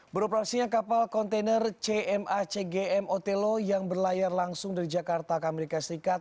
beroperasinya kapal kontainer cma cgm otelo yang berlayar langsung dari jakarta ke amerika serikat